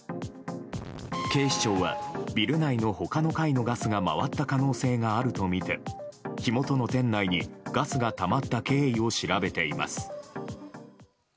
警視庁はビル内の他の階のガスが回った可能性があるとみて火元の店内にガスがたまった経緯を調べています。